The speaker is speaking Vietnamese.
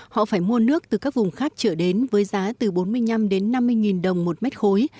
họ phải mua nước từ các vùng khác trở đến với giá từ bốn mươi năm đến năm mươi nghìn đồng một mét khối